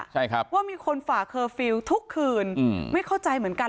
ว่ามีคนฝ่าเคอร์ฟิลล์ทุกคืนไม่เข้าใจเหมือนกัน